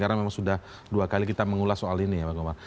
karena memang sudah dua kali kita mengulas soal ini ya bang komar